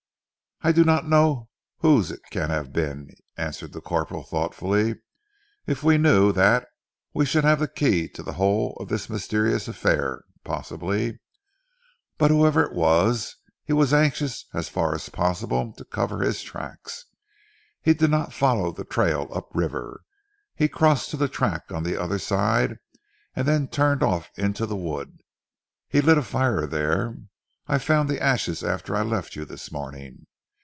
"I do not know whose it can have been," answered the corporal thoughtfully. "If we knew that we should have the key to the whole of this mysterious affair, possibly. But whoever it was he was anxious as far as possible to cover his tracks. He did not follow the trail up the river. He crossed to the track on the other side, and then turned off into the wood; he lit a fire there. I found the ashes after I left you this morning.